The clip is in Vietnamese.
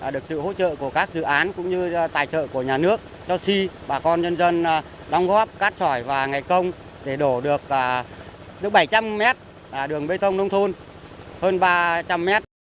được sự hỗ trợ của các dự án cũng như tài trợ của nhà nước cho si bà con nhân dân đóng góp cát sỏi và ngày công để đổ được bảy trăm linh mét đường bê tông nông thôn hơn ba trăm linh mét